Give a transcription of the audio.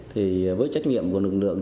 thì với trách nhiệm của lực lượng